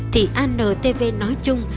thì antv nói chung